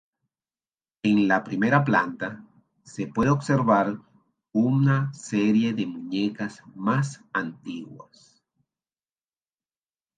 En la primera planta se pueden observar una serie de muñecas más antiguas.